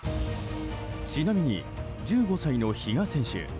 ちなみに１５歳の比嘉選手